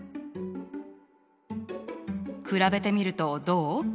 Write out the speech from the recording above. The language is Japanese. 比べてみるとどう？